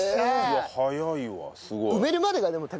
早いわすごい。